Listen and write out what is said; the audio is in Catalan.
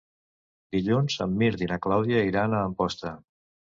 Dilluns en Mirt i na Clàudia iran a Amposta.